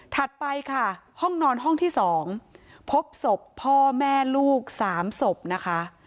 ไปค่ะห้องนอนห้องที่๒พบศพพ่อแม่ลูก๓ศพนะคะ